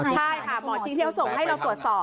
ใช่ค่ะหมอจริงเที่ยวส่งให้เราตรวจสอบ